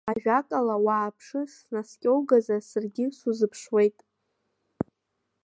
Ажәакала, уааԥшы, снаскьоугозар саргьы сузыԥшуеит…